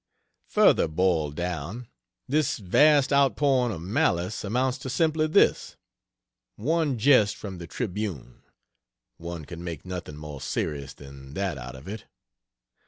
Further boiled down, this vast outpouring of malice amounts to simply this: one jest from the Tribune (one can make nothing more serious than that out of it.)